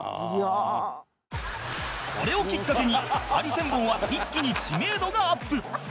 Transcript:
これをきっかけにハリセンボンは一気に知名度がアップ